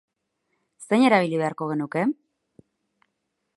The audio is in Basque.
Zein erabili beharko genuke?